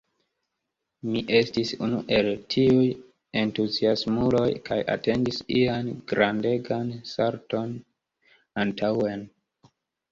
Mi estis unu el tiuj entuziasmuloj kaj atendis ian “grandegan salton antaŭen”.